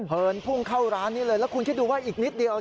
เหินพุ่งเข้าร้านนี้เลยแล้วคุณคิดดูว่าอีกนิดเดียว